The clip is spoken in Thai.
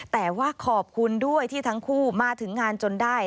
แต่ว่าขอบคุณด้วยที่ทั้งคู่มาถึงงานจนได้